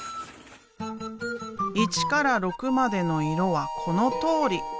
１から６までの色はこのとおり。